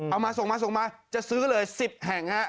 เอามาส่งมาส่งมาจะซื้อเลย๑๐แห่งฮะ